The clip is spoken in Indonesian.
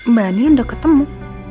mbak anin udah ketemu